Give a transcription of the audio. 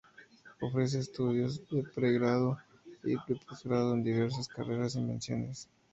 Ofrece estudios de pre-grado y de posgrado, en diversas carreras y menciones.